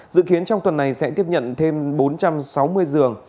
dự kiến trong tuần này sẽ tiếp nhận thêm bốn trăm sáu mươi giường